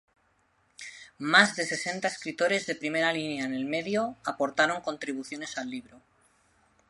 Más de sesenta escritores de primera línea en el medio aportaron contribuciones al libro.